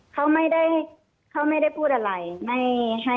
เขาไม่ได้พูดอะไร